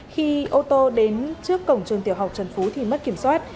khi ô tô đến trước cổng trường tiểu học trần phú thì mất kiểm soát